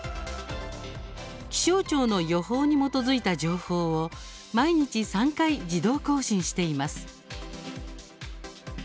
気象庁の予報に基づいた情報を毎日３回、自動更新しています。